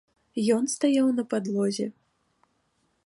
Ён стаяў на падлозе.